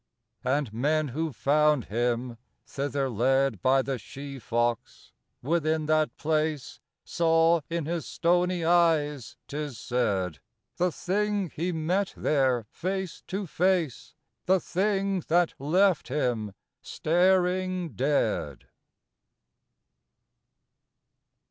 And men who found him, thither led By the she fox, within that place Saw in his stony eyes, 'tis said, The thing he met there face to face, The thing that left him staring dead.